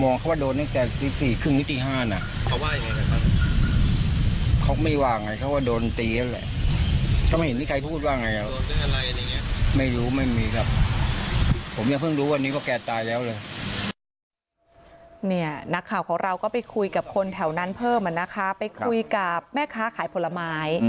นักข่าวของเราก็ไปคุยกับคนแถวนั้นเพิ่มนะคะไปคุยกับแม่ค้าขายผลไม้